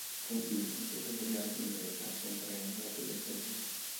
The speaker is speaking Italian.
Compì un secondo viaggio in Grecia contraendo la tubercolosi.